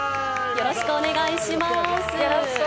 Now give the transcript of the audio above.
よろしくお願いします。